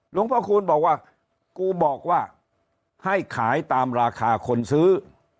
หลวงพ่อคูณบอกว่ากูบอกว่าให้ขายตามราคาคนซื้อ